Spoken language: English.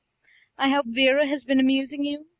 "I hope Vera has been amusing you?"